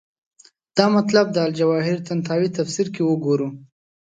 دا مطلب د الجواهر طنطاوي تفسیر کې وګورو.